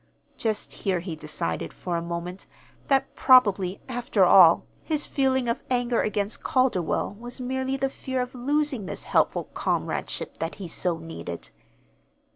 Just here he decided, for a moment, that probably, after all, his feeling of anger against Calderwell was merely the fear of losing this helpful comradeship that he so needed.